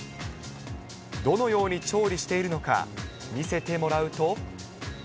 どのように調理しているのか、見せてもらうと。